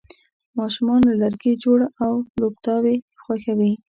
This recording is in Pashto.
ماشومان له لرګي جوړ لوبتیاوې خوښوي.